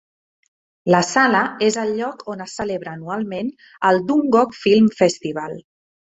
La sala és el lloc on es celebra anualment el "Dungog Film Festival" .